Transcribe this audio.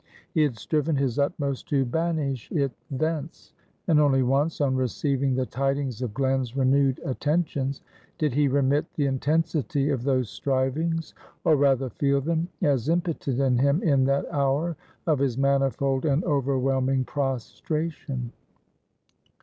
He had striven his utmost to banish it thence; and only once on receiving the tidings of Glen's renewed attentions did he remit the intensity of those strivings, or rather feel them, as impotent in him in that hour of his manifold and overwhelming prostration.